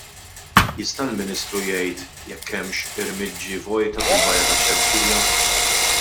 Jista' l-Ministru jgħid jekk hemmx irmiġġi vojta fil-bajja tax-Xemxija?